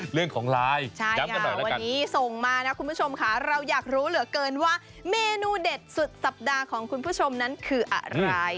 เรื่องของไลน์ใช่ค่ะวันนี้ส่งมานะคุณผู้ชมค่ะเราอยากรู้เหลือเกินว่าเมนูเด็ดสุดสัปดาห์ของคุณผู้ชมนั้นคืออะไร